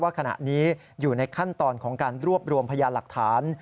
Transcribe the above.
ขณะนี้อยู่ในขั้นตอนของการรวบรวมพยานหลักฐาน